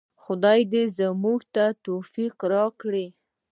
خدای دې موږ ته توفیق راکړي